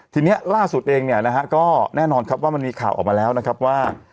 ทีนี้ล่าสุดเองเนี่ยนะฮะก็แน่นอนครับว่ามันมีข่าวออกมาแล้วนะครับว่า